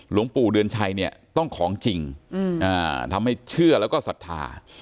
หลวงปู่เดือนชัยเนี่ยต้องของจริงทำให้เชื่อแล้วก็ศรัทธา